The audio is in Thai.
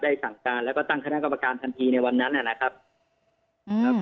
สั่งการแล้วก็ตั้งคณะกรรมการทันทีในวันนั้นนะครับ